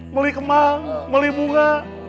beli kemang beli bunga